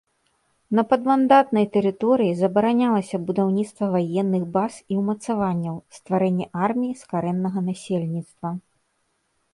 На падмандатнай тэрыторыі забаранялася будаўніцтва ваенных баз і ўмацаванняў, стварэнне арміі з карэннага насельніцтва.